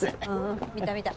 見た見た。